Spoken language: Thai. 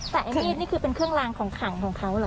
แต่ไอ้มีดนี่คือเป็นเครื่องลางของขังของเขาเหรอ